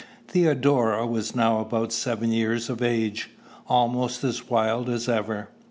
Theodora was now about seven years of age almost as wild as ever.